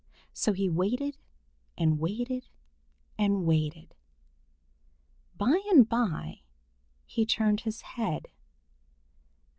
So he waited and waited and waited. By and by he turned his head.